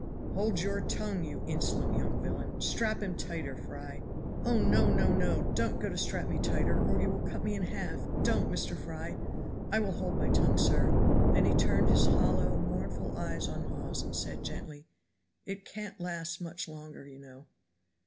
"Hold your tongue, you insolent young villain. Strap him tighter, Fry." "Oh no! no! no! don't go to strap me tighter or you will cut me in half don't, Mr. Fry. I will hold my tongue, sir." Then he turned his hollow, mournful eyes on Hawes and said gently, "It can't last much longer, you know."